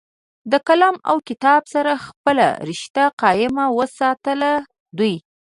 د قلم او کتاب سره خپله رشته قائم اوساتله دوي